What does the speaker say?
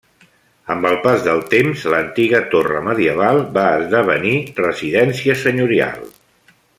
Amb el pas del temps l'antiga torre medieval va esdevenir residència senyorial.